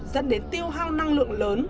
dẫn đến tiêu hao năng lượng lớn